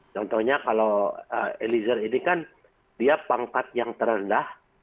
contohnya kalau eliezer ini kan dia pangkat yang terendah